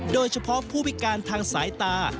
โดยเฉพาะผู้พิการทางสายตา